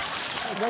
何？